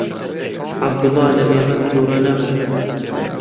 عەبدوڵڵا لە ئێمە تووڕە نەبوو.